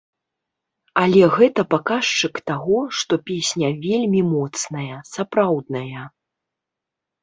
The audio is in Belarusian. Але гэта паказчык таго, што песня вельмі моцная, сапраўдная.